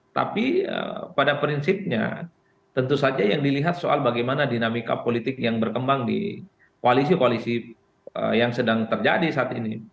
tapi pada prinsipnya tentu saja yang dilihat soal bagaimana dinamika politik yang berkembang di koalisi koalisi yang sedang terjadi saat ini